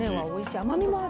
甘みもある。